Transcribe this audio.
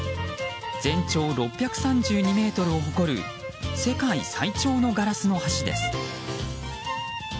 全長６３２ｍを誇る世界最長のガラスの橋です。